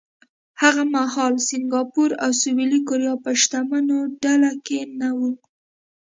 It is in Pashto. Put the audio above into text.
هغه مهال سینګاپور او سویلي کوریا په شتمنو ډله کې نه وو.